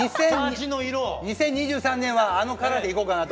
２０２３年はあのカラーでいこうかなと。